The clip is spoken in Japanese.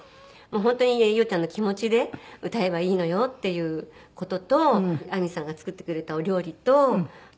本当に「伊代ちゃんの気持ちで歌えばいいのよ」っていう事と亜美さんが作ってくれたお料理と一本映画を見て帰りました。